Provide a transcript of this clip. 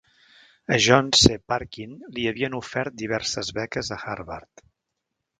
A John C. Parkin li havien ofert diverses beques a Harvard.